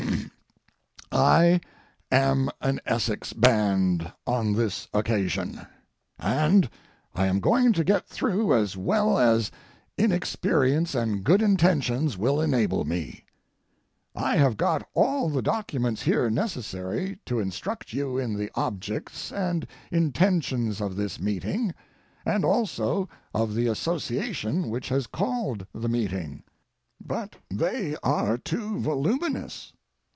I am an Essex band on this occasion, and I am going to get through as well as inexperience and good intentions will enable me. I have got all the documents here necessary to instruct you in the objects and intentions of this meeting and also of the association which has called the meeting. But they are too voluminous.